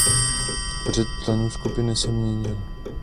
Počet členů skupiny se měnil.